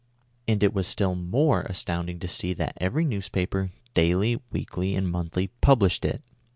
And it was still more astounding to see that every newspaper, daily, weekly and monthly, published it.